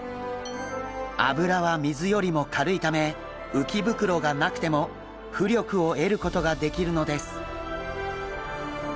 脂は水よりも軽いため鰾がなくても浮力を得ることができるのです。